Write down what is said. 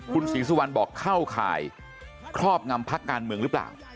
คุณศรีสุวรรณบอกเข้าข่ายครอบงำพักการเมืองหรือเปล่า